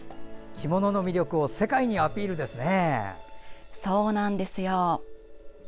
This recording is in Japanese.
着物の魅力を世界にアピールですね。